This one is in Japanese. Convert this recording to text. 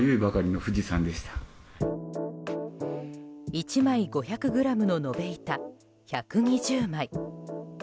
１枚５００ｇの延べ板１２０枚。